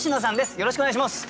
よろしくお願いします。